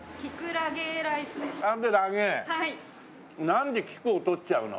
なんで「キク」を取っちゃうの。